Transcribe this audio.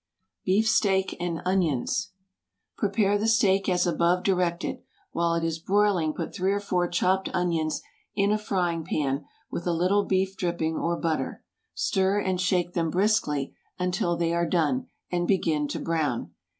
BEEF STEAK AND ONIONS. Prepare the steak as above directed. While it is broiling put three or four chopped onions in a frying pan with a little beef dripping or butter. Stir and shake them briskly until they are done, and begin to brown.